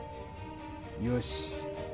よし。